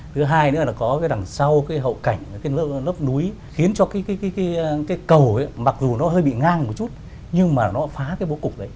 thứ hai nữa là có cái đằng sau cái hậu cảnh cái lớp núi khiến cho cái cầu ấy mặc dù nó hơi bị ngang một chút nhưng mà nó phá cái bố cục đấy